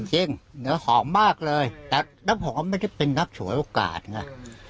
จริงเนื้อหอมมากเลยแต่แล้วผมไม่ได้เป็นนักฉวยโอกาสนะ